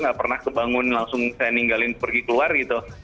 gak pernah kebangun langsung saya ninggalin pergi keluar gitu